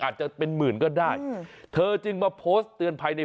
อาจจะเป็นหมื่นก็ได้เธอจึงมาโพสต์เตือนภัยใน